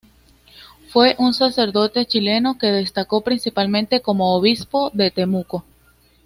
Fue un sacerdote chileno que destacó principalmente como Obispo de Temuco.